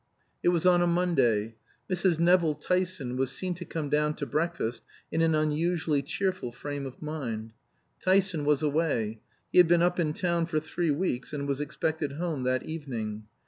It was on a Monday. Mrs. Nevill Tyson was seen to come down to breakfast in an unusually cheerful frame of mind. Tyson was away; he had been up in town for three weeks, and was expected home that evening.